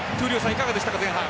いかがでしたか前半。